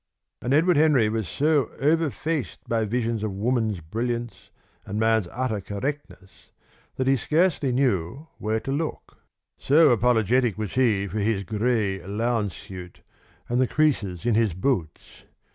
And Edward Henry was so overfaced by visions of woman's brilliance and man's utter correctness that he scarcely knew where to look so apologetic was he for his grey lounge suit and the creases in his boots.